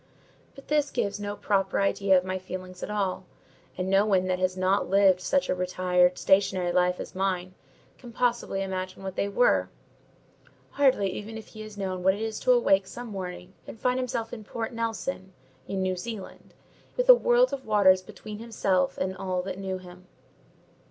But this gives no proper idea of my feelings at all; and no one that has not lived such a retired, stationary life as mine, can possibly imagine what they were: hardly even if he has known what it is to awake some morning, and find himself in Port Nelson, in New Zealand, with a world of waters between himself and all that knew him.